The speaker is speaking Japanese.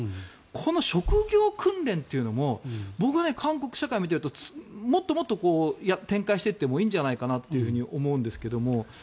この職業訓練というのも僕は韓国社会を見ているともっともっと展開していってもいいんじゃないかなと思うんですけど。